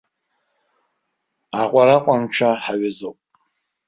Аҟәараҟәанҽа ҳаҩызоуп.